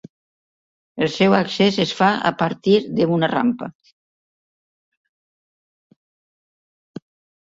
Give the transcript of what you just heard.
El seu accés es fa a partir d'una rampa.